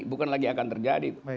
bukan lagi akan terjadi